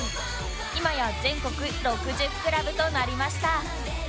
今や全国６０クラブとなりました